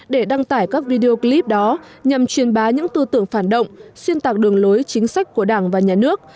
để đăng tải các video clip đó nhằm truyền bá những tư tưởng phản động xuyên tạc đường lối chính sách của đảng và nhà nước